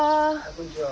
こんにちは。